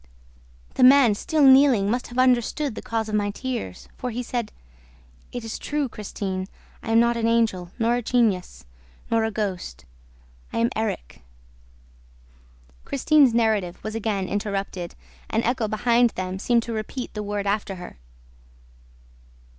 The man, still kneeling, must have understood the cause of my tears, for he said, 'It is true, Christine! ... I am not an Angel, nor a genius, nor a ghost ... I am Erik!'" Christine's narrative was again interrupted. An echo behind them seemed to repeat the word after her.